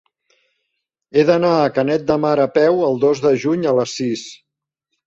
He d'anar a Canet de Mar a peu el dos de juny a les sis.